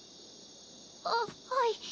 あっはい。